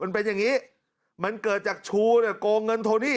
มันเป็นอย่างนี้มันเกิดจากชูเนี่ยโกงเงินโทนี่